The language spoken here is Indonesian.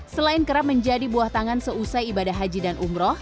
selain kerap menjadi buah tangan seusai ibadah haji dan umroh